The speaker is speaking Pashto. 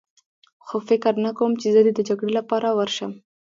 خو فکر نه کوم چې زه دې د جګړې لپاره ورشم.